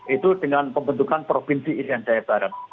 itu dengan pembentukan provinsi irian jaya barat